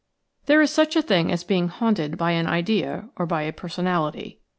HERE is such a thing as being haunted by an idea or by a personality.